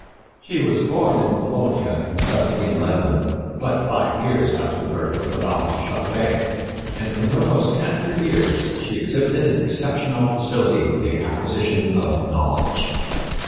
She was born in Bologna in 1711 but five years after the birth of Madame du Châtelet and from her most tender years she exhibited an exceptional facility for the acquisition of knowledge.